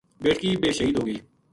بیٹکی بے شہید ہو گئی